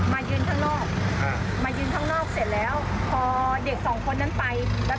ใส่เสื้อเขียนยาวสีดำค่ะใส่เหมือนเด็กน้าเรียนนะค่ะ